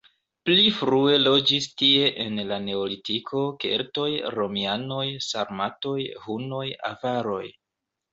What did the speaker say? Pli frue loĝis tie en la neolitiko, keltoj, romianoj, sarmatoj, hunoj, avaroj.